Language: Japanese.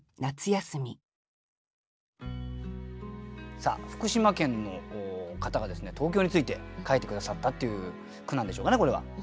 さあ福島県の方がですね東京について書いて下さったっていう句なんでしょうかねこれは。